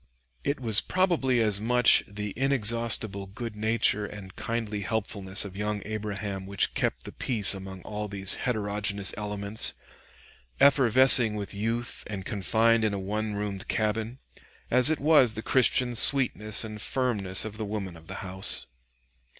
It was probably as much the inexhaustible good nature and kindly helpfulness of young Abraham which kept the peace among all these heterogeneous elements, effervescing with youth and confined in a one roomed cabin, as it was the Christian sweetness and firmness of the woman of the house.